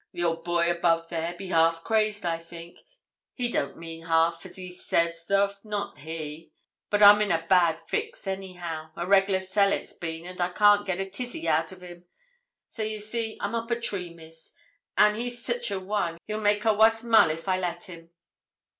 'The old boy above there be half crazed, I think; he don't mean half as he says thof, not he. But I'm in a bad fix anyhow a regular sell it's been, and I can't get a tizzy out of him. So, ye see, I'm up a tree, Miss; and he sich a one, he'll make it a wuss mull if I let him.